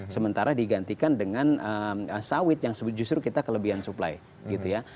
sementara digantikan dengan sawit yang justru kita kelebihan supply gitu ya